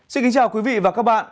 xin kính chào quý vị và các bạn